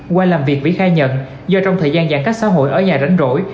qua làm việc vĩ khai nhận do trong thời gian giãn cách xã hội ở nhà rảnh rỗi